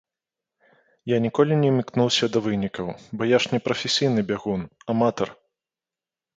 Я ніколі не імкнуўся да вынікаў, бо я ж не прафесійны бягун, аматар.